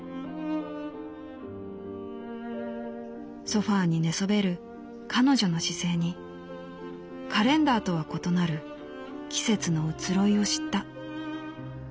「ソファにねそべる彼女の姿勢にカレンダーとは異なる季節の移ろいを知った」。